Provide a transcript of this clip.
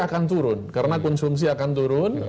akan turun karena konsumsi akan turun